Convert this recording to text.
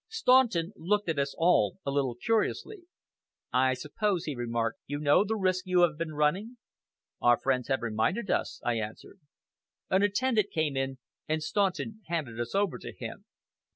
Staunton looked at us all a little curiously. "I suppose," he remarked, "you know the risk you have been running?" "Our friends have reminded us," I answered. An attendant came in, and Staunton handed us over to him.